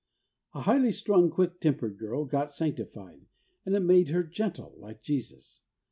A highly strung, quick tempered girl got sanctified, and it made her gentle like Jesus.